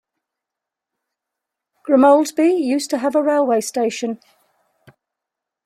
Grimoldby used to have a railway station.